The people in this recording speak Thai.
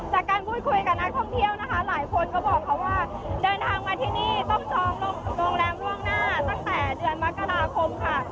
จากการพูดคุยกับนักท่องเที่ยวนะคะหลายคนก็บอกเขาว่าเดินทางมาที่นี่ต้องจองโรงแรมล่วงหน้าตั้งแต่เดือนมกราคมค่ะ